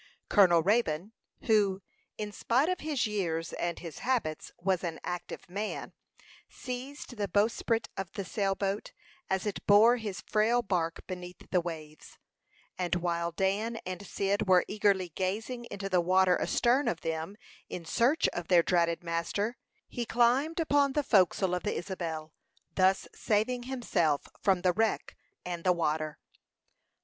Colonel Raybone, who, in spite of his years and his habits, was an active man, seized the bowsprit of the sail boat, as it bore his frail bark beneath the waves; and while Dan and Cyd were eagerly gazing into the water astern of them in search of their dreaded master, he climbed upon the forecastle of the Isabel, thus saving himself from the wreck and the water.